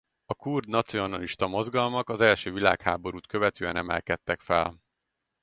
A kurd nacionalista mozgalmak az első világháborút követően emelkedtek fel.